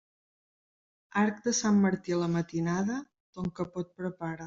Arc de Sant Martí a la matinada, ton capot prepara.